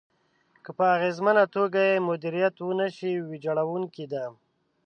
که په اغېزمنه توګه يې مديريت ونشي، ويجاړونکې ده.